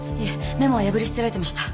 メモは破り捨てられてました。